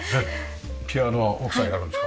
ピアノは奥さんやるんですか？